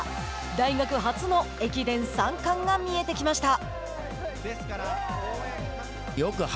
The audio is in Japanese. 大学初の駅伝３冠が見えてきました。